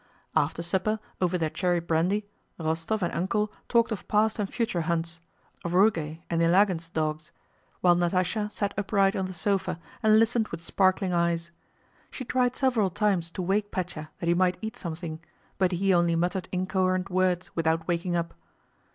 After supper, over their cherry brandy, Rostóv and "Uncle" talked of past and future hunts, of Rugáy and Ilágin's dogs, while Natásha sat upright on the sofa and listened with sparkling eyes. She tried several times to wake Pétya that he might eat something, but he only muttered incoherent words without waking up.